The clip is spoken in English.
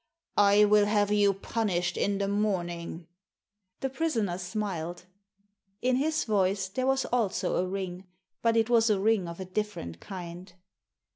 "I will have you punished in the morning. The prisoner smiled. In his voice there was also a ring, but it was a ring of a different kind.